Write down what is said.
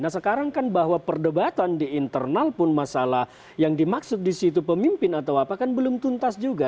nah sekarang kan bahwa perdebatan di internal pun masalah yang dimaksud di situ pemimpin atau apa kan belum tuntas juga